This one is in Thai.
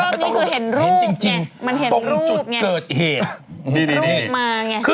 มันเห็นรูปตรงจุดเกิดเหตุ